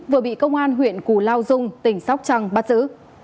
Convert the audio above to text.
vừa bị công an huyện cù lao dung tỉnh sóc trăng bắt giữ